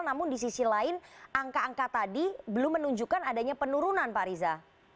namun di sisi lain angka angka tadi belum menunjukkan adanya penurunan pak riza